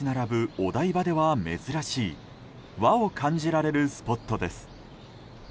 お台場では珍しい和を感じられるスポットです。